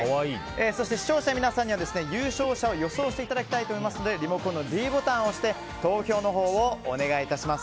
そして視聴者の皆さんには優勝者を予想していただきたいと思いますのでリモコンのｄボタンを押して投票のほうをお願いいたします。